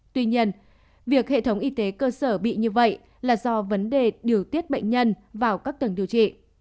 tuy nhiên việc hệ thống y tế cơ sở bị như vậy là do vấn đề điều tiết bệnh nhân vào các tầng điều trị